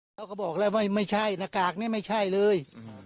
เขาบอกแล้วไม่ใช่หน้ากากนี้ไม่ใช่เลย